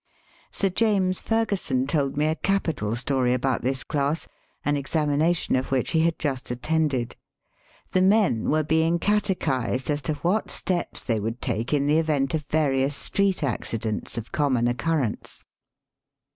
Sir James Fergusson told me a capital story about this class, an ex amination of which he had just attended. The men were being catechized as to what steps they would take in the event of various street accidents of common occurrence.